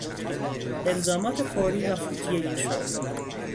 الزامات فوری و فوتی این شغل